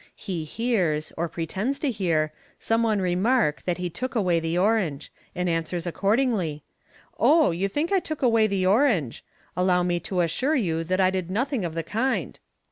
He hears, or pretends to hear, some one remark that he took away the orange, and answers accordingly. u Oh ! you think I took away the orange. Allow me to assure you that I did nothing of the kind.'